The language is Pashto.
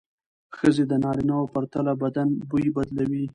ښځې د نارینه وو پرتله بدن بوی بدلوي.